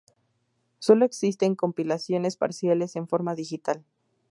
Solo existen compilaciones parciales en forma digital.